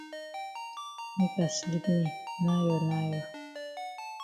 Make I sleep me nayo nayo.